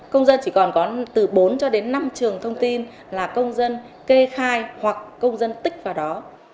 công dân chỉ còn có từ bốn cho đến năm trường thông tin là công dân kê khai hoặc công dân tích vào đó